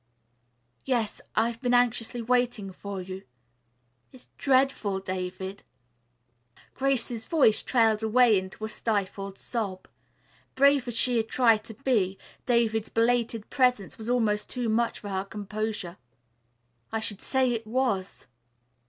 "Yes. I've been anxiously watching for you. It's dreadful David." Grace's voice trailed away into a stifled sob. Brave as she had tried to be, David's belated presence was almost too much for her composure. "I should say it was."